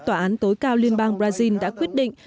tòa án tối cao liên bang brazil đã quyết định